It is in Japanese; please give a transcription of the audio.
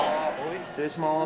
失礼します。